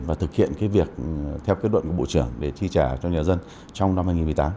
và thực hiện việc theo kết luận của bộ trưởng để chi trả cho nhà dân trong năm hai nghìn một mươi tám